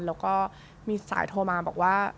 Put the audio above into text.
แล้วก็มีสายโทรมาบอกว่า